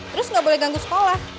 terus nggak boleh ganggu sekolah